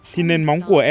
thì nên móng quốc tế